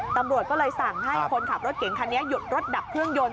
ตำรวจก็เลยสั่งให้คนขับรถเก่งคันนี้หยุดรถดับเครื่องยนต์